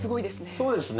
そうですね。